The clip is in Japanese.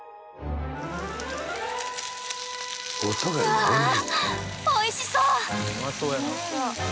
うわおいしそう！